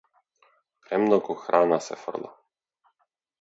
Премногу храна се фрла.